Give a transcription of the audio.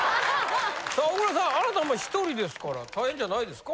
さあ小倉さんあなた１人ですから大変じゃないですか？